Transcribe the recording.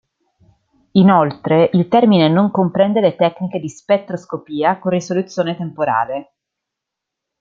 Inoltre il termine non comprende le tecniche di spettroscopia con risoluzione temporale.